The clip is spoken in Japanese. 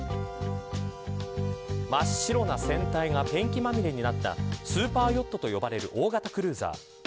真っ白の船体がペンキまみれになったスーパーヨットと呼ばれる大型クルーザー。